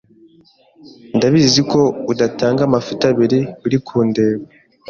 Ndabizi ko udatanga amafuti abiri urikundeba